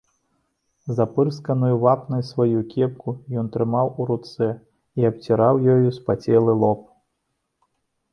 Запырсканую вапнай сваю кепку ён трымаў у руцэ і абціраў ёю спацелы лоб.